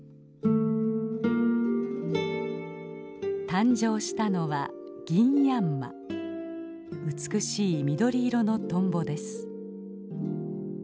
誕生したのは美しい緑色のトンボです。